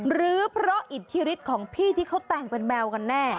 หรือเพราะอิทธิฤทธิ์ของพี่ที่เขาแต่งเป็นแมวกันแน่